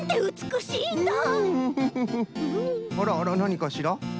あらあらなにかしら？